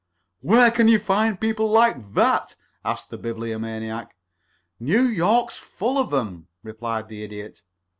"Where can you find people like that?" asked the Bibliomaniac. "New York's full of 'em," replied the Idiot.